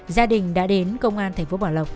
gia đình đã đến công an thành phố bảo lộc